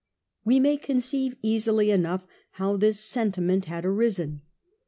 We may conceive easily enough how this sentiment had arisen.